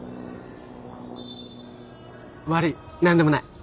悪い何でもない。